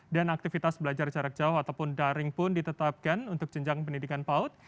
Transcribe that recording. dan aktivitas belajar jarak jauh ataupun daring pun ditetapkan untuk jenjang pendidikan paut